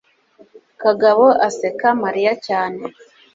kagabo aseka mariya cyane